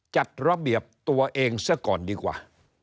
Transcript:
จัดระเบียบตัวเองซะก่อนดีกว่า